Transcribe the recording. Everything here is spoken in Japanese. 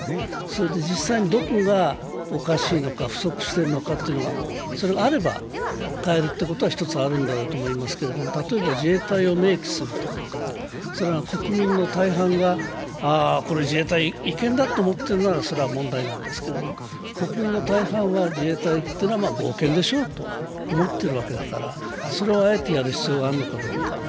実際にどこがおかしいのか、不足しているのかというのがあれば変えるということは、ひとつあるんだろうと思いますけど、例えば自衛隊を明記すると、そうしたら国民の大半がこれ自衛隊違憲だと思ってるならそれは問題ですけど国民の大半は自衛隊は合憲でしょうと思っているわけだからそれをあえてやる必要があるのかどうか。